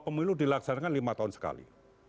pemilu dilaksanakan lima tahun sekali